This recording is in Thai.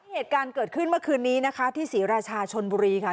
เหตุการณ์เกิดขึ้นเมื่อคืนนี้นะคะที่ศรีราชาชนบุรีค่ะ